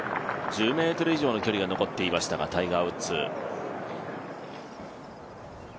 １０ｍ以上の距離が残っていましたが、タイガー・ウッズ。